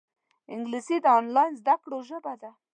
انګلیسي د آنلاین زده کړو ژبه ده